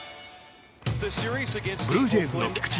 ブルージェイズの菊池